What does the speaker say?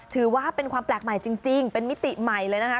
ถือว่าเป็นความแปลกใหม่จริงเป็นมิติใหม่เลยนะคะ